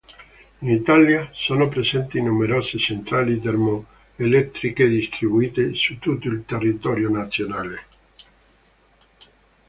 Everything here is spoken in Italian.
In Italia sono presenti numerose centrali termoelettriche distribuite su tutto il territorio nazionale.